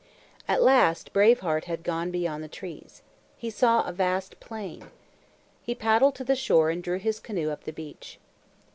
At last Brave Heart had gone beyond the trees. He saw a vast plain. He paddled to the shore and drew his canoe up the beach.